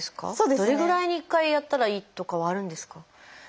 どれぐらいに１回やったらいいとかはあるんですか？